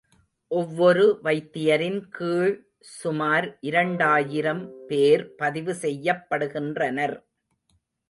ஒவ்வொரு வைத்தியரின் கீழ் சுமார் இரண்டாயிரம் பேர் பதிவு செய்யப்படுகின்றனர்.